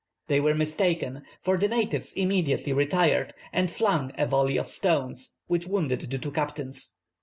They were mistaken, for the natives immediately retired and flung a volley of stones, which wounded the two captains.